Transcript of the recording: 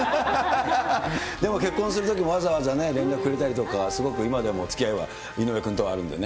でも結婚するとき、わざわざ連絡くれたりとか、すごく今でもつきあいは、井上君とはあるんでね。